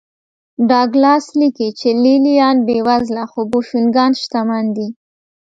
ډاګلاس لیکي چې لې لیان بېوزله خو بوشونګان شتمن دي